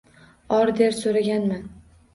Order so‘raganman.